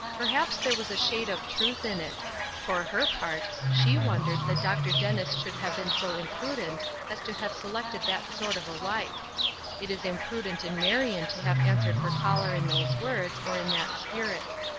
Perhaps there was a shade of truth in it. For her part, she wondered that Dr. Dennis should have been so imprudent as to have selected that sort of a wife. It was imprudent in Marion to have answered her caller in those words, or in that spirit.